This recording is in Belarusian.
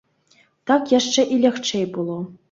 Так яшчэ і лягчэй было.